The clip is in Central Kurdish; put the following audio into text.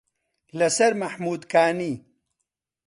لە سەر مەحموودکانی